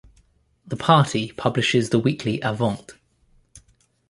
The Party publishes the weekly Avante!